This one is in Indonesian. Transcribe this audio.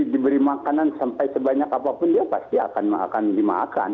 diberi makanan sampai sebanyak apapun dia pasti akan dimakan